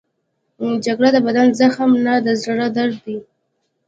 جګړه د بدن زخم نه، د زړه درد دی